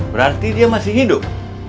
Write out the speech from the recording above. berarti dia masih hidup